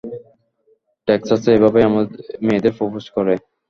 টেক্সাসে এভাবেই মেয়েদের প্রোপোজ করে।